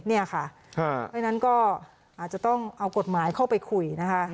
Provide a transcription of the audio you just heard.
เพราะฉะนั้นก็อาจจะต้องเอากฎหมายเข้าไปคุยนะคะ